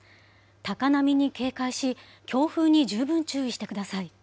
高波に警戒し、強風に十分注意してください。